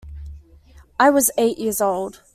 I was eight years old.